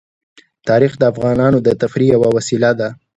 تاریخ د افغانانو د تفریح یوه وسیله ده.